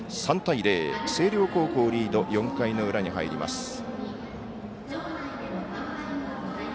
３対０、星稜高校リード４回の裏に入ります。